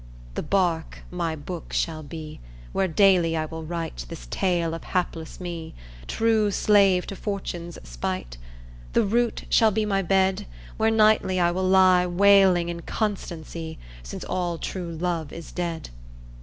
The bark my book shall be Where daily I will write This tale of hapless me True slave to fortune's spite; The root shall be my bed Where nightly I will lie, Wailing inconstancy Since all true love is dead.